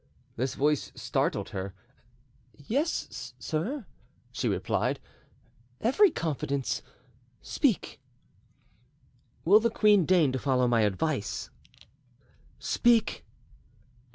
This voice startled her. "Yes, sir," she replied, "every confidence; speak." "Will the queen deign to follow my advice?" "Speak."